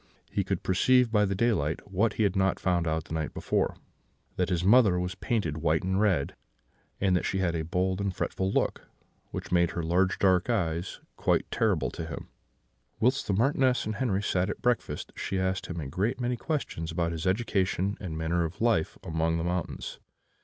He could perceive by the daylight what he had not found out the night before, that his mother was painted white and red, and that she had a bold and fretful look, which made her large dark eyes quite terrible to him. "Whilst the Marchioness and Henri sat at breakfast, she asked him a great many questions about his education and manner of life among the mountains.